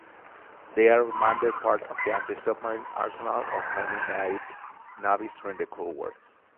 They remained part of the anti-submarine arsenals of many navies during the Cold War.